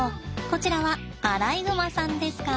こちらはアライグマさんですか？